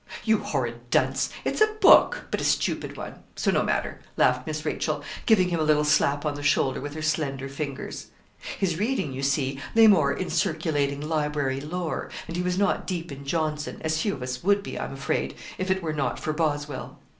'You horrid dunce! it's a book, but a stupid one so no matter,' laughed Miss Rachel, giving him a little slap on the shoulder with her slender fingers. His reading, you see, lay more in circulating library lore, and he was not deep in Johnson as few of us would be, I'm afraid, if it were not for Boswell.